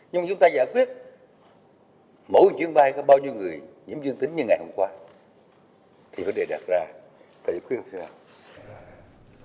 nhưng mà chúng ta giải quyết mỗi chuyến bay có bao nhiêu người nhiễm dương tính như ngày hôm qua thì vấn đề đạt ra phải giải quyết như thế nào